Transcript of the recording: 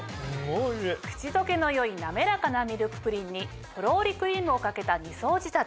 口溶けのよい滑らかなミルクプリンにとろりクリームをかけた２層仕立て。